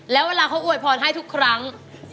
แล้วเวลาเขาอวยพรให้ทุกครั้ง